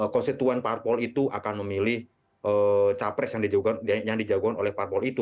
konstituen parpol itu akan memilih capres yang dijagokan oleh parpol itu